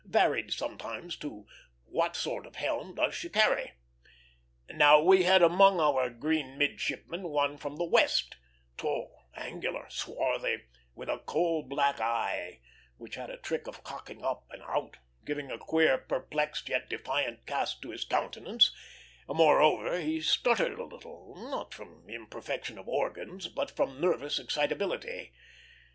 varied sometimes to, "What sort of helm does she carry?" Now we had among our green midshipmen one from the West, tall, angular, swarthy, with a coal black eye which had a trick of cocking up and out, giving a queer, perplexed, yet defiant cast to his countenance; moreover, he stuttered a little, not from imperfection of organs, but from nervous excitability.